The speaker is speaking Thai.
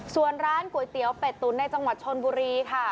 ส่วนร้านก๋วยเตี๋ยวเป็ดตุ๋นในจังหวัดชนบุรีค่ะ